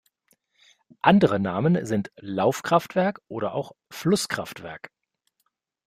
Andere Namen sind Laufkraftwerk oder auch Flusskraftwerk.